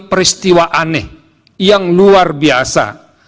peristiwa aneh yang luar biasa